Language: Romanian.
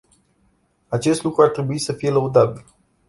Acest lucru ar trebui să fie lăudabil.